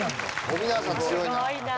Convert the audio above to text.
富永さん強いな。